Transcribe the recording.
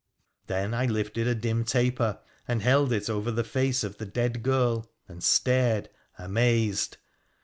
Then I lifted a lira taper, and held it over the face of the dead girl and tared amazed